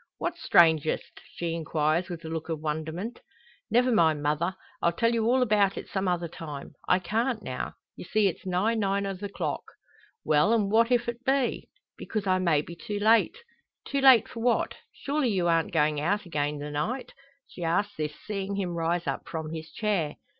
"What's strangest?" she inquires with a look of wonderment. "Never mind, mother! I'll tell you all about it some other time. I can't now; you see it's nigh nine o' the clock." "Well; an' what if't be?" "Because I may be too late." "Too late for what? Surely you arn't goin' out again the night?" She asks this, seeing him rise up from his chair.